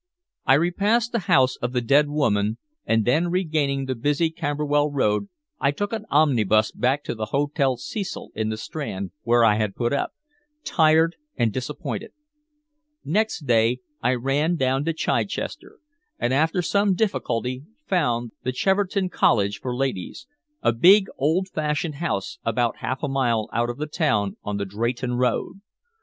I repassed the house of the dead woman, and then regaining the busy Camberwell Road I took an omnibus back to the Hotel Cecil in the Strand where I had put up, tired and disappointed. Next day I ran down to Chichester, and after some difficulty found the Cheverton College for Ladies, a big old fashioned house about half a mile out of the town on the Drayton Road.